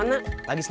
aneh ke takes lasin